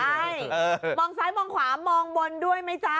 ใช่มองซ้ายมองขวามองบนด้วยไหมจ๊ะ